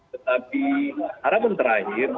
tetapi harapan terakhir